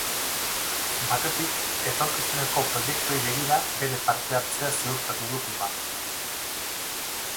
Batetik, etorkizuneko proiektuei begira bere parte hartzea ziurtatu du klubak.